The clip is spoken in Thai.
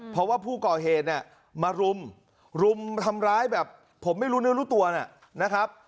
เพราะว่าผู้ก่อเหตุเนี่ยมารุมรุมทำร้ายแบบผมไม่รู้เนื้อรู้ตัวนะครับ